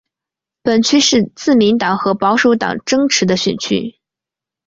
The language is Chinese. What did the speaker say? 本区是自民党和保守党争持的选区。